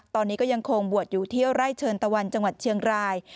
ตอนนี้ก็ยังคงบวชอยู่เที่ยวไร่เชิญตะวันจังหวัดเชียงราย